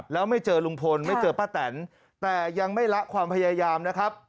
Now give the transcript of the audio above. แล้วไม่เจอลุงพลไม่เจอป้าแตนแต่ยังไม่ละความพยายามนะครับ